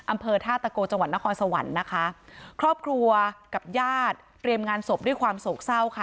อำเภอท่าตะโกจังหวัดนครสวรรค์นะคะครอบครัวกับญาติเตรียมงานศพด้วยความโศกเศร้าค่ะ